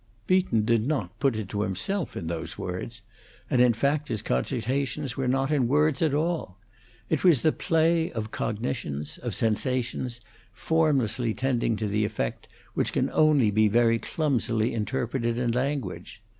Beaton did not put it to himself in those words; and in fact his cogitations were not in words at all. It was the play of cognitions, of sensations, formlessly tending to the effect which can only be very clumsily interpreted in language.